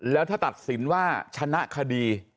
แล้วถ้าตัดสินว่าชนะคดี